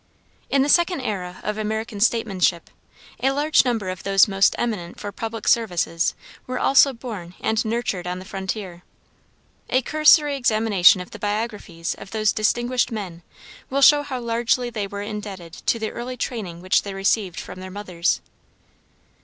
In the second era of American statesmanship, a large number of those most eminent for public services were also born and nurtured on the frontier. A cursory examination of the biographies of those distinguished men will show how largely they were indebted to the early training which they received from their mothers.